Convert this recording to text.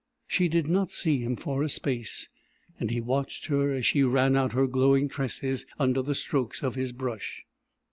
She did not see him for a space, and he watched her as she ran out her glowing tresses under the strokes of his brush.